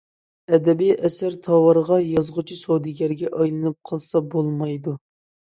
ئەدەبىي ئەسەر تاۋارغا، يازغۇچى سودىگەرگە ئايلىنىپ قالسا بولمايدۇ.